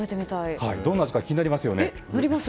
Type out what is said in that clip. どんな味か気になりますよね。